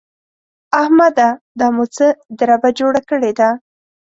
احمده! دا مو څه دربه جوړه کړې ده؟!